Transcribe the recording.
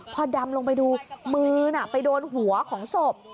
พอดำลงไปดูมือไปโดนหัวของศพ